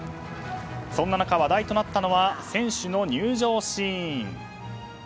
そんな中、話題となったのは選手の入場シーン。